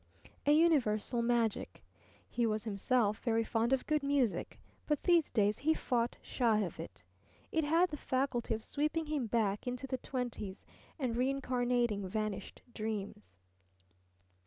A universal magic. He was himself very fond of good music; but these days he fought shy of it; it had the faculty of sweeping him back into the twenties and reincarnating vanished dreams.